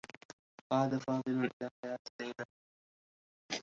عاد فاضل إلى حياة ليلى.